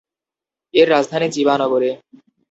এর রাজধানী চিবা নগর।